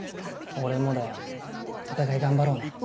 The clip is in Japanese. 俺もだよお互い頑張ろうね。